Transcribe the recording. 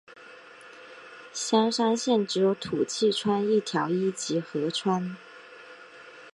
香川县只有土器川一条一级河川。